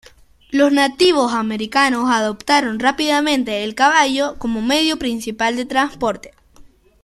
Los nativos americanos adoptaron rápidamente el caballo como medio principal de transporte.